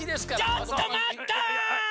・ちょっとまった！